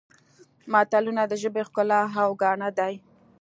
متلونه د ژبې ښکلا او ګاڼه دي